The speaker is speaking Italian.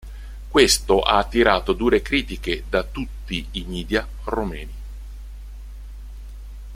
Questo ha attirato dure critiche da tutti i media romeni.